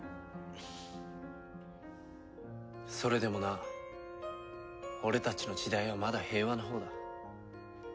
それでもな俺たちの時代はまだ平和なほうだ。